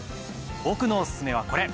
僕のおすすめはこれ！